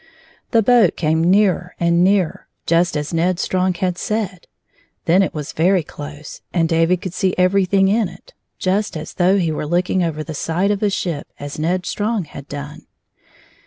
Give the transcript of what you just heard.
The boat came nearer and nearer, just as Ned Strong had said. Then it was very close, and David could see everything in it, just as though he were looking over the side of a ship as Ned Strong had done.